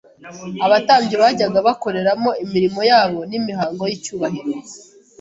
Abatambyi bajyaga bakoreramo imirimo yabo n'imihango y'icyubahiro